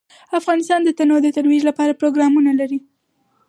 افغانستان د تنوع د ترویج لپاره پروګرامونه لري.